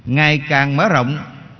ngày càng mở rộng